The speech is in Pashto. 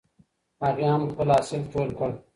هغې هم خپل حاصل ټول کړ.